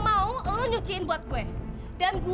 aku mau kamu bawa memerbuk